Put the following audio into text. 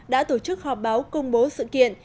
đã tổ chức họp báo công bố sự kiện